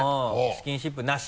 スキンシップなし？